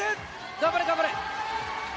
頑張れ、頑張れ！